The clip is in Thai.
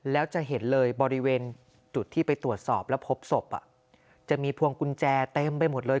แล้วจะเห็นเลยบริเวณจุดที่ไปตรวจสอบแล้วพบศพจะมีพวงกุญแจเต็มไปหมดเลย